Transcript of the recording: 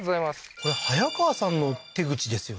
これ早川さんの手口ですよね